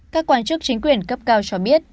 các quan chức chính quyền gấp cao cho biết